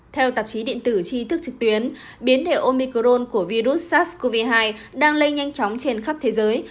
theo tạp chí điện tử tri thức trực tuyến biến hiệu omicron của virus sars cov hai đang lây nhanh chóng trên khắp thế giới